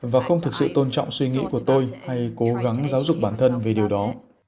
và không thực sự tôn trọng suy nghĩ của tôi hay cố gắng giáo dục bản thân về điều đó